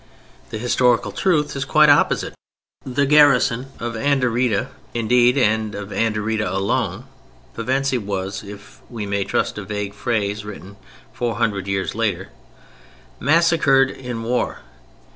The historical truth is quite opposite. The garrison of Anderida indeed and of Anderida alone (Pevensey) was, if we may trust a vague phrase written four hundred years later, massacred in war.